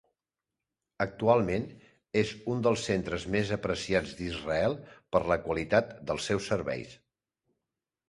Actualment, és un dels centres més apreciats d'Israel per la qualitat dels seus serveis.